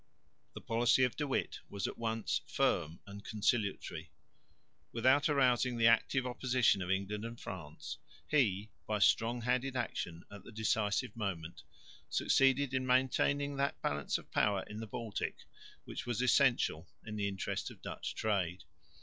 The policy of De Witt was at once firm and conciliatory. Without arousing the active opposition of England and France, he by strong handed action at the decisive moment succeeded in maintaining that balance of power in the Baltic which was essential in the interest of Dutch trade.